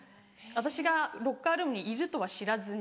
私がロッカールームにいるとは知らずに。